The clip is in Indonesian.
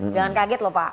jangan kaget lho pak